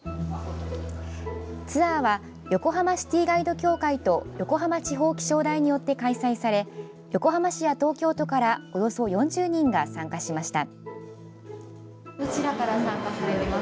ツアーは横浜シティガイド協会と横浜地方気象台によって開催され横浜市や東京都からおよそ４０人が参加しました。